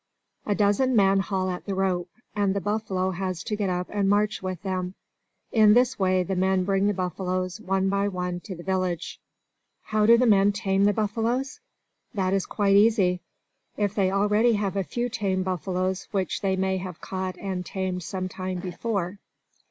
A dozen men haul at the rope, and the buffalo has to get up and march with them. In this way the men bring the buffaloes one by one to the village. How do the men tame the buffaloes? That is quite easy, if they already have a few tame buffaloes which they may have caught and tamed some time before.